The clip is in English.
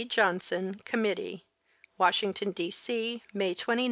Johnson, Committee. Washington, D. C, May 29, 1890.